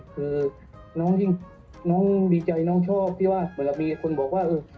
คือน้องดีใจน้องชอบที่ว่าเหมือนมีคนบอกว่า